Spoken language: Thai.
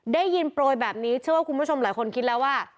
ได้ยินโปรยแบบนี้เชื่อว่าคุณผู้ชมหลายคนคิดแล้วว่า